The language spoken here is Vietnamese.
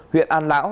huyện an lão